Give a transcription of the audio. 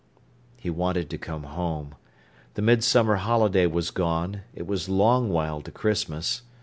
He wanted to come home. The midsummer holiday was gone; it was a long while to Christmas.